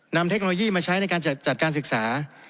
เทคโนโลยีมาใช้ในการจัดการศึกษา